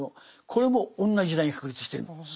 これも同じ時代に確立してるんです。